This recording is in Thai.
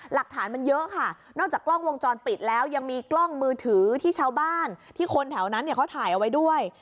หลักฐานมันเยอะค่ะนอกจากกล้องวงจรปิดแล้วยังมีกล้องมือถือที่ชาวบ้านที่คนแถวนั้นเนี่ยเขาถ่ายเอาไว้ด้วย